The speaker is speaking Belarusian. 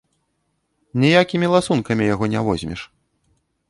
Ніякімі ласункамі яго не возьмеш!